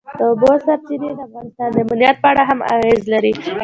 د اوبو سرچینې د افغانستان د امنیت په اړه هم اغېز لري.